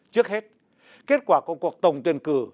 trước hết kết quả của cuộc tổng tuyển cử